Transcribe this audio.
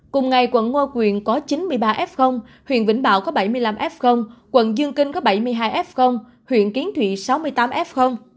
cùng ngày quận ngo quyền có chín mươi ba f huyện vĩnh bảo có bảy mươi năm f quận dương kinh có bảy mươi hai f huyện kiến thụy sáu mươi tám f